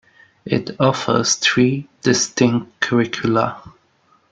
It offers three distinct curricula.